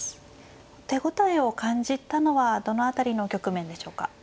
手応えを感じたのはどの辺りの局面でしょうか。